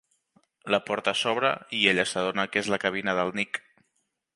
La porta s'obre i ella s'adona que és la cabina del Nick.